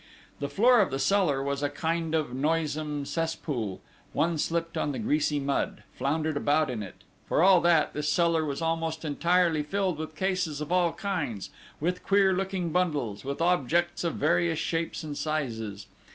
The floor of the cellar was a kind of noisome cesspool: one slipped on the greasy mud floundered about in it: for all that, this cellar was almost entirely filled with cases of all kinds, with queer looking bundles, with objects of various shapes and sizes.